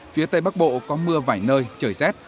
phía tây bắc bộ có mưa vài nơi trời rét